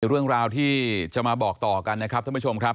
เรื่องราวที่จะมาบอกต่อกันนะครับท่านผู้ชมครับ